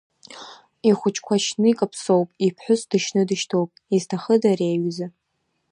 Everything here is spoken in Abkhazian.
Ихәыҷқәа шьны икаԥсоуп, иԥҳәыс дышьны дышьҭоуп, изҭахыда ари аҩыза?